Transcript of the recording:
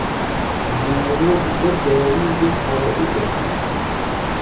Nee woodi bo jayriije booɗuɗe.